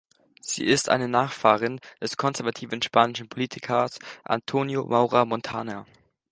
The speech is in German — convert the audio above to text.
Sie ist eine Nachfahrin des konservativen spanischen Politikers Antonio Maura Montaner.